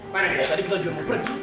mana dia tadi kita jual